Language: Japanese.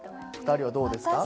２人はどうですか？